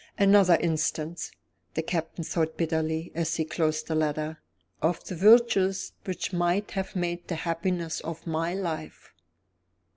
"Another instance," the Captain thought bitterly, as he closed the letter, "of the virtues which might have made the happiness of my life!"